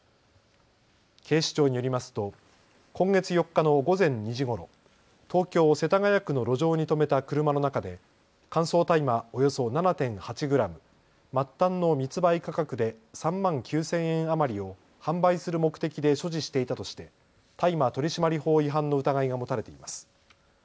警視庁によりますと今月４日の午前２時ごろ、東京世田谷区の路上に止めた車の中で乾燥大麻およそ７．８グラム、末端の密売価格で３万９０００円余りを販売する目的で所持していたとして大麻取締法違反の疑いが持たれています。